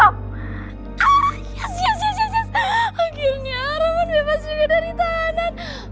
akhirnya roman bebas juga dari tahanan